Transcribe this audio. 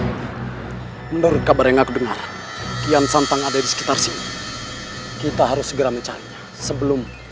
itu menurut kabar yang aku dengar kian santang ada di sekitar sini kita harus segera mencari sebelum